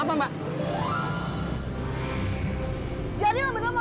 bakal tak bisa melewatinyamu